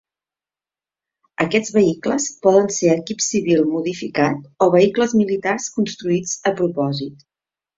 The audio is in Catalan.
Aquests vehicles poden ser equip civil modificat o vehicles militars construïts a propòsit.